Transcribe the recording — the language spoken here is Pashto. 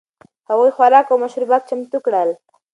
هغوی خوراک او مشروبات چمتو کړل.